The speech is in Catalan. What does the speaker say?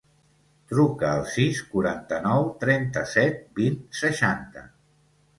Truca al sis, quaranta-nou, trenta-set, vint, seixanta.